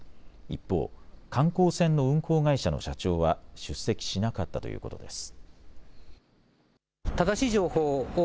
一方、観光船の運航会社の社長は出席しなかったということです。